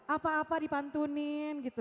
apa apa dipantunin gitu